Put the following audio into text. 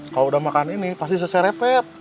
kalo udah makan ini pasti sese repet